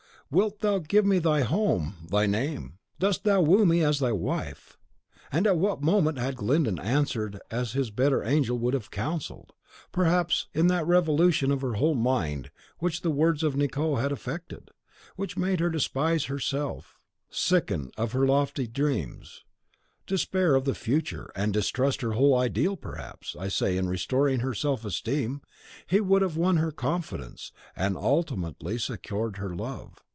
"Wilt thou give me thy home, thy name? Dost thou woo me as thy wife?" And at that moment, had Glyndon answered as his better angel would have counselled, perhaps, in that revolution of her whole mind which the words of Nicot had effected, which made her despise her very self, sicken of her lofty dreams, despair of the future, and distrust her whole ideal, perhaps, I say, in restoring her self esteem, he would have won her confidence, and ultimately secured her love.